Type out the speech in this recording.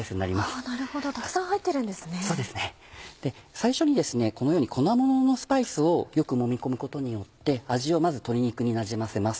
最初にこのように粉もののスパイスをよくもみ込むことによって味をまず鶏肉になじませます。